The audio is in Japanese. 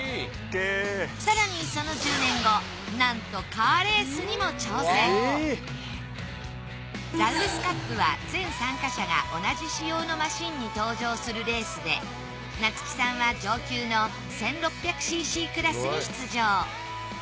更にその１０年後なんとカーレースにも挑戦ザウルスカップは全参加者が同じ仕様のマシンに搭乗するレースで夏樹さんは上級の１６００ｃｃクラスに出場。